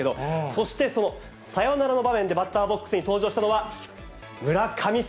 そしてそのサヨナラの場面でバッターボックスに登場したのは、村神様